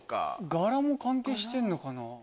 柄も関係してるのかな。